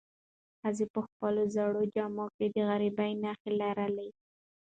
ښځې په خپلو زړو جامو کې د غریبۍ نښې لرلې.